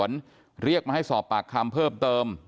นางนาคะนี่คือยยน้องจีน่าคุณยายถ้าแท้เลย